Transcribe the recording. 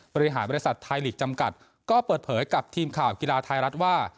บริหารบริษัทไทยลีกจำกัดก็เปิดเผยกับทีมข่าวกีฬาไทยรัฐว่า